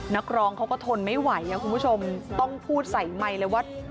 นักร้องเขาก็ทนไม่ไหวคุณผู้ชมต้องพูดใส่ไมค์เลยว่า